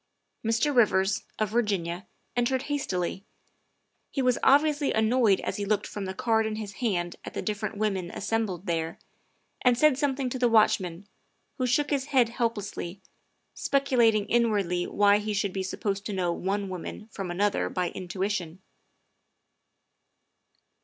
Mr. Rivers, of Virginia, entered hastily. He was obviously annoyed as he looked from the card in his hand at the different women assembled there, and said 42 THE WIFE OF something to the watchman, who shook his head help lessly, speculating inwardly why he should be supposed to know one woman from another by intuition.